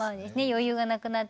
余裕がなくなったりして。